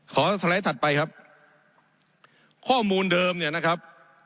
ขอแสดงถัดไปครับข้อมูลเดิมนี่นะครับ